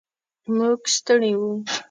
موږ ستړي و.